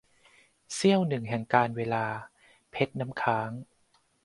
เสี้ยวหนึ่งแห่งกาลเวลา - เพชรน้ำค้าง